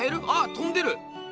とんでる！